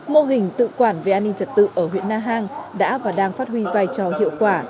mô hình tự quản về an ninh trật tự ở huyện na hàng đã và đang phát huy vai trò hiệu quả